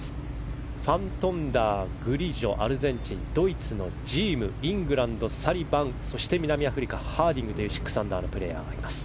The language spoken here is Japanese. ファントンダーアルゼンチンのグリジョドイツのジームイングランド、サリバンそして南アフリカハーディングという６アンダーのプレーヤーがいます。